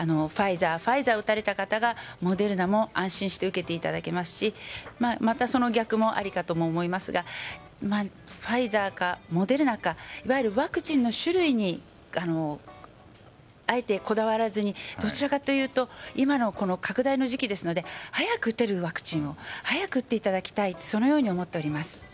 ファイザー、ファイザーを打たれた方が、モデルナを安心して打っていただけますしまた逆もありかと思いますがファイザーかモデルナかいわゆるワクチンの種類にあえてこだわらずに今の拡大の時期ですので早く打てるワクチンを早く打っていただきたいと思っております。